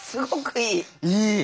いい。